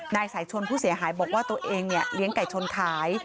นายสายชนผู้เสียหายบอกว่าตัวเองเลี้ยงไก่ชนขาย